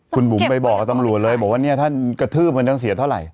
คุณบุ๋มไปบอกกับตำรวจเลยบอกว่าเนี่ยท่านกระทืบมันต้องเสียเท่าไหร